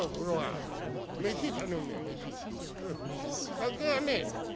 酒はね